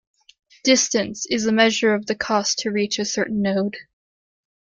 "Distance" is a measure of the cost to reach a certain node.